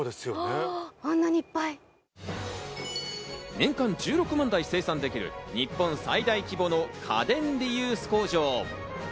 年間１６万台生産できる日本最大規模の家電リユース工場。